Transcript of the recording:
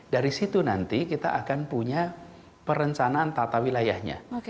dari situ nanti kita akan punya perencanaan tata wilayahnya